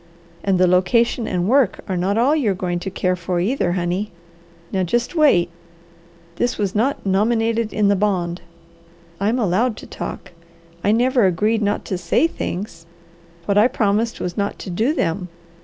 And the location and work are not all you're going to care for either, honey. Now just wait! That was not 'nominated in the bond.' I'm allowed to talk. I never agreed not to SAY things. What I promised was not to DO them.